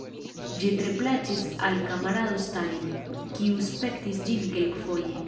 Ĝi tre plaĉis al kamarado Stalin, kiu spektis ĝin kelkfoje.